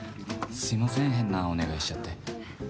すみません変なお願いしちゃって。